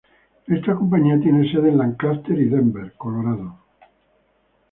Esta compañía tiene sede en Lancaster y Denver, Colorado.